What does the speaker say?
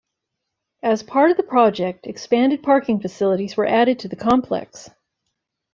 As part of the project, expanded parking facilities were added to the complex.